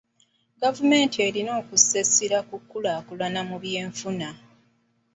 Gavumenti erina okussa essira ku nkulaakulana mu byenfuna.